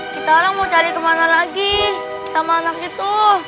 kita orang mau cari kemana lagi sama anak itu